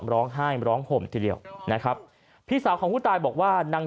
ร้องไห้ร้องห่มทีเดียวนะครับพี่สาวของผู้ตายบอกว่านาง